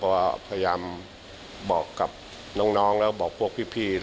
เพราะว่าพยายามบอกกับน้องแล้วก็บอกพวกพี่